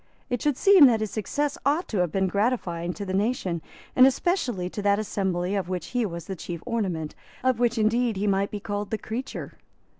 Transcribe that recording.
It should seem that his success ought to have been gratifying to the nation, and especially to that assembly of which he was the chief ornament, of which indeed he might be called the creature.